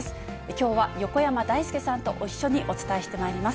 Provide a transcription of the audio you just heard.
きょうは横山だいすけさんと一緒にお伝えしてまいります。